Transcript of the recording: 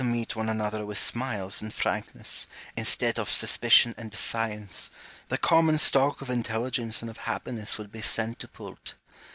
meet one another with smiles and frankness, instead of suspicion and defiance, the common stock of intelligence and of happiness would be centupled.